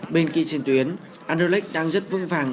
bên kia trên tuyến anderlecht đang rất vững vàng